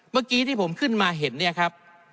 เมื่อกี้ที่ผมขึ้นมาเห็นเนี่ยครับ